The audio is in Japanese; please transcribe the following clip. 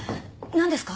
何ですか？